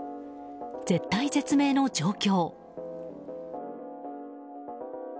絶体絶命の状況。